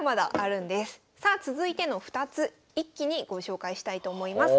さあ続いての２つ一気にご紹介したいと思います。